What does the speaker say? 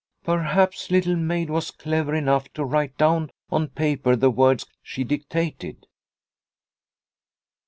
Perhaps Little Maid was clever enough to write down on paper the words she dictated.